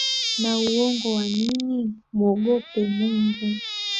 Na uongo wanini? Mwogope Mungu.